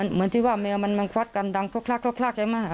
เหมือนที่ว่ามันมันมันควัดกันดังคลักคลักคลักใช่ไหมอ่า